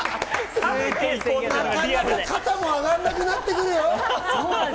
肩も上がらなくなってくるよ。